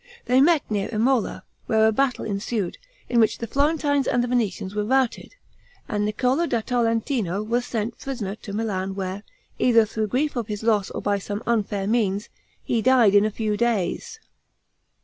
They met near Imola, where a battle ensued, in which the Florentines and Venetians were routed, and Niccolo da Tolentino was sent prisoner to Milan where, either through grief for his loss or by some unfair means, he died in a few days.